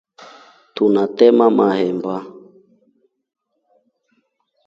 Tunetema mahemba.